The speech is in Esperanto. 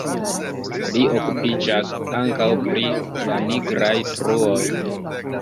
Li okupiĝas ankaŭ pri la nigraj truoj.